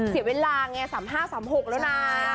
เสียเวลาไง๓๕๓๖แล้วนะ